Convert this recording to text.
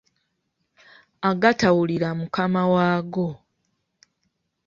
Agatawulira mukama waago.